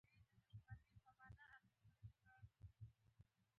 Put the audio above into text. استاد اجمل ښکلی د پښتو ژبې او ادبیاتو استاد دی.